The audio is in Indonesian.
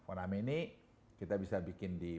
oname ini kita bisa bikin di